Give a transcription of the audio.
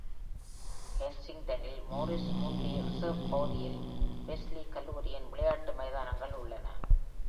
கென்சிங்டனில் Morris Mundy reserve பகுதியில் Wesley கல்லூரியின் விளையாட்டு மைதானங்கள் உள்ளன.